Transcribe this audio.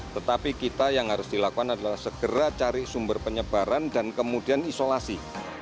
tetapi kita yang harus dilakukan adalah segera cari sumber penyebaran dan kemudian isolasi